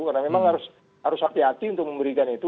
karena memang harus hati hati untuk memberikan itu